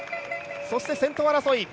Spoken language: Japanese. そして先頭争い。